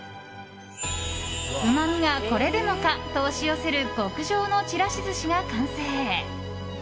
うまみがこれでもかと押し寄せる極上のちらし寿司が完成。